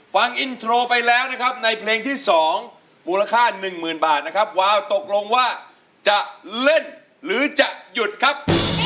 ฟังอินโทรไปแล้วนะครับในเพลงที่๒มูลค่า๑๐๐๐บาทนะครับวาวตกลงว่าจะเล่นหรือจะหยุดครับ